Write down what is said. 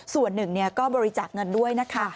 ส่วนหนึ่งเนี่ยก็บริจักษ์เงินด้วยนะคะ